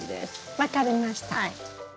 分かりました。